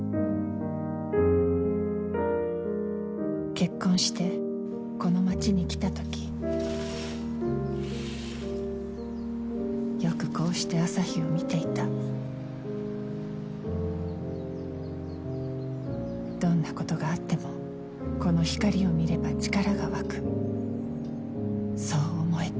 結婚してこの町に来た時よくこうして朝日を見ていたどんなことがあってもこの光を見れば力が湧くそう思えた